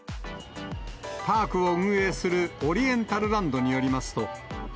パークを運営するオリエンタルランドによりますと。